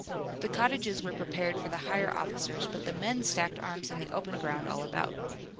The cottages were prepared for the higher officers, but the men stacked arms in the open ground all about.